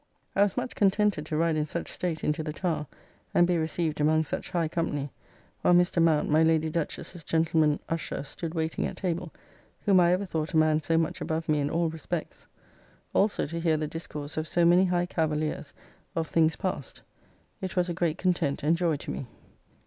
I was much contented to ride in such state into the Tower, and be received among such high company, while Mr. Mount, my Lady Duchess's gentleman usher, stood waiting at table, whom I ever thought a man so much above me in all respects; also to hear the discourse of so many high Cavaliers of things past. It was a great content and joy to me.